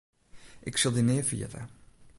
Ik sil dy nea ferjitte.